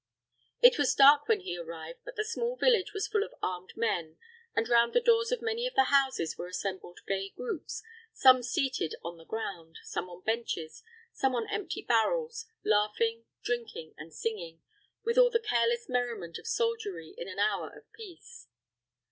It was dark when he arrived; but the small village was full of armed men, and round the doors of many of the houses were assembled gay groups, some seated on the ground, some on benches, some on empty barrels, laughing, drinking, and singing, with all the careless merriment of soldiery in an hour of peace.